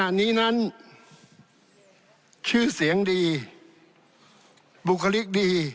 ท่านประธานที่ขอรับครับ